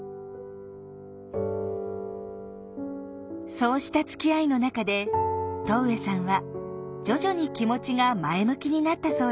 そうしたつきあいの中で戸上さんは徐々に気持ちが前向きになったそうです。